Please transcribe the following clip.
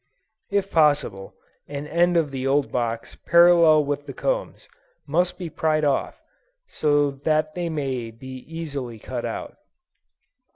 If possible, an end of the old box parallel with the combs, must be pried off, so that they may be easily cut out.